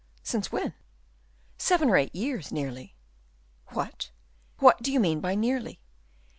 "Since when?" "Seven or eight years, nearly." "What do you mean by nearly?